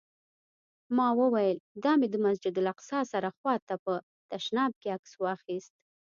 ما وویل: دا مې د مسجداالاقصی سره خوا ته په تشناب کې عکس واخیست.